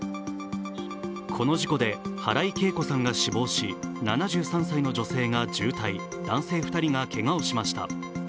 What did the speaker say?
この事故で、原井恵子さんが死亡し、７３歳の女性が重体、男性２人が軽傷でした。